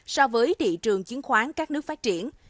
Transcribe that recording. so với thị trường chứng khoán các nước phát triển